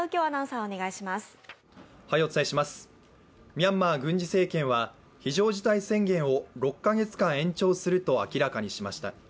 ミャンマー軍事政権は非常事態宣言を６か月間延長すると明らかにしました。